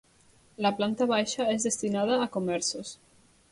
La planta baixa és destinada a comerços.